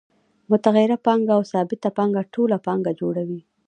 متغیره پانګه او ثابته پانګه ټوله پانګه جوړوي